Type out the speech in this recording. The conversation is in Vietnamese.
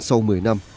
sau một mươi năm